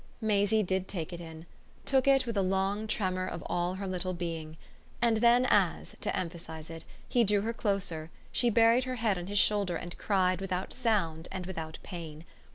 Maisie did take it in took it with a long tremor of all her little being; and then as, to emphasise it, he drew her closer she buried her head on his shoulder and cried without sound and without pain.